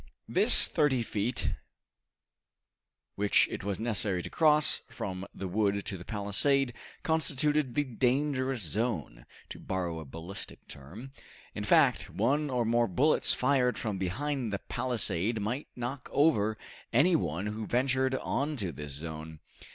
This thirty feet, which it was necessary to cross from the wood to the palisade, constituted the dangerous zone, to borrow a ballistic term: in fact, one or more bullets fired from behind the palisade might knock over any one who ventured on to this zone.